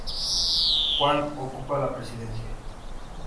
Juan ocupa la Presidencia.